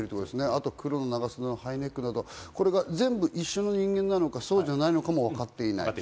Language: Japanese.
あとは黒の長袖のハイネックなど、これが全部、一緒の人間なのか、そうじゃないのかも分かっていない。